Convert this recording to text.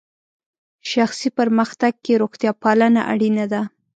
شخصي پرمختګ کې روغتیا پالنه اړینه ده.